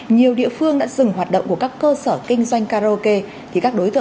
nhiều địa phương đã dừng hoạt động của các cơ sở kinh doanh karaoke